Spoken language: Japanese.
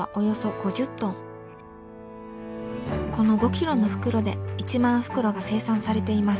この５キロの袋で１万袋が生産されています。